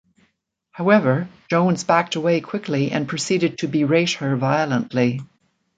However, Jones backed away quickly and proceeded to berate her violently.